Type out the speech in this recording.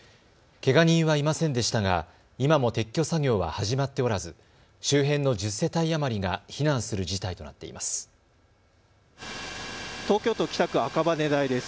けが人はいませんでしたが、今も撤去作業は始まっておらず周辺の１０世帯余りが避難する事態となっています。